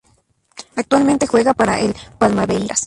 Actualmente juega para el Palmeiras.